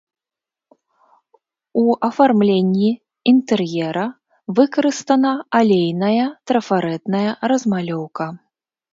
У афармленні інтэр'ера выкарыстана алейная трафарэтная размалёўка.